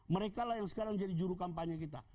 mereka lah yang sekarang jadi juru kampanye kita